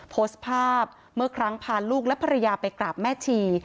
โพสต์ภาพเมื่อครั้งพาลูกและภรรยาไปกราบแม่ชี